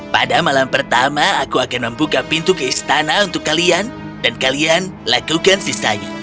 pada malam pertama aku akan membuka pintu ke istana untuk kalian dan kalian lakukan sisanya